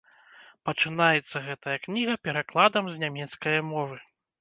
Пачынаецца гэтая кніга перакладам з нямецкае мовы.